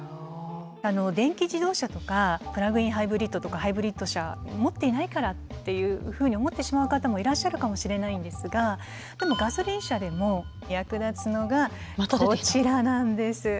電気自動車とかプラグイン・ハイブリッドとかハイブリッド車持っていないからっていうふうに思ってしまう方もいらっしゃるかもしれないんですがでもガソリン車でも役立つのがこちらなんです。